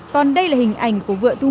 còn đây là hình ảnh của vợ thu mùa